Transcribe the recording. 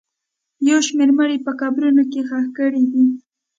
یو شمېر مړي په قبرونو کې ښخ کړي دي